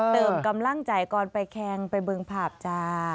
เติมกำลังใจก่อนไปแข่งไปเบิงผาบจ้า